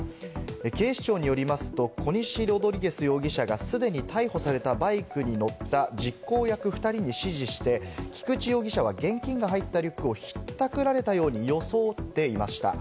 警視庁によりますと、コニシ・ロドリゲス容疑者が既に逮捕されたバイクに乗った実行役２人に指示して、菊地容疑者は現金が入ったリュックをひったくられたように装っていました。